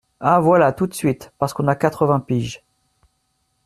Ah voilà ! Tout de suite ! Parce qu’on a quatre-vingts piges